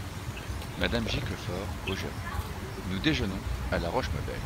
Madame Giclefort, au gérant. — Nous déjeunons à la Rochemabelle.